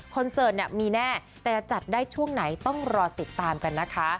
เสิร์ตเนี่ยมีแน่แต่จะจัดได้ช่วงไหนต้องรอติดตามกันนะคะ